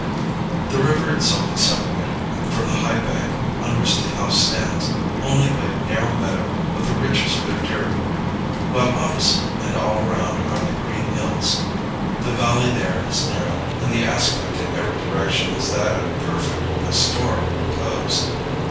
The river itself is separated from the high bank, on which the house stands, only by a narrow meadow, of the richest verdure; while opposite, and all around are the green hills. The valley there is narrow, and the aspect in every direction is that of perfect pastoral repose.'